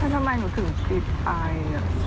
ทำไมหนูถึงที่นี่